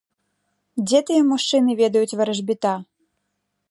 Дзе тыя мужчыны ведаюць варажбіта!